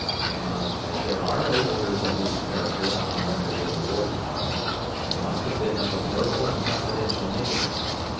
Now, as there are no orders of this character on record in the War Department, they must have been of a verbal and confidential nature.